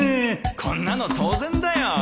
こんなの当然だよ